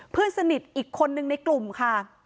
เพื่อนสนิทอีกคนนึงในกลุ่มค่ะ